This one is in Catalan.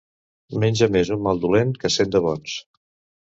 Menja més un mal dolent que cent de bons.